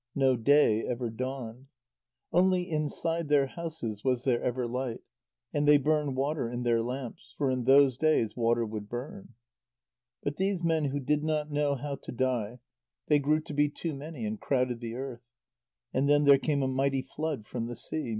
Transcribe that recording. No day ever dawned. Only inside their houses was there ever light, and they burned water in their lamps, for in those days water would burn. But these men who did not know how to die, they grew to be too many, and crowded the earth. And then there came a mighty flood from the sea.